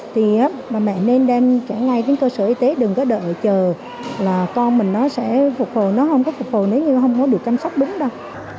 thì bà mẹ nên đem cả ngay đến cơ sở y tế đừng có đợi chờ là con mình nó sẽ phục hồi nó không có phục hồi nếu như không có được chăm sóc đúng đâu